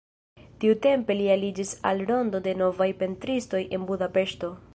Tiutempe li aliĝis al rondo de novaj pentristoj en Budapeŝto.